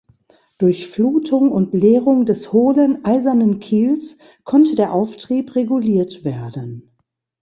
Durch Flutung und Leerung des hohlen eisernen Kiels konnte der Auftrieb reguliert werden.